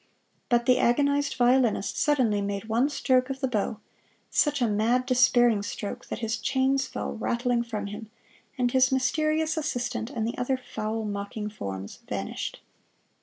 But the agonized violinist suddenly made one stroke of the bow, such a mad, despairing stroke, that his chains fell rattling from him, and his mysterious assistant and the other foul, mocking forms vanished.